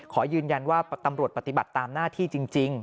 ขอยืนยันว่าตำรวจปฏิบัติตามหน้าที่จริง